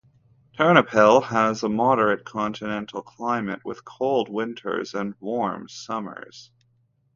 Ternopil has a moderate continental climate with cold winters and warm summers.